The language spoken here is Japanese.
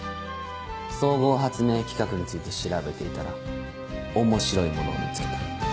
総合発明企画について調べていたら面白いものを見つけた。